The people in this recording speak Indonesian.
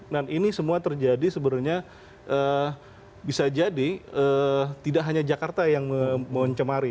dan ini semua terjadi sebenarnya bisa jadi tidak hanya jakarta yang mencemari